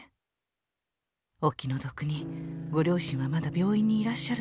お気の毒にご両親はまだ病院にいらっしゃるそうよ」。